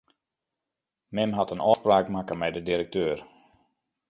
Mem hat in ôfspraak makke mei de direkteur.